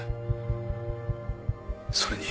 それに。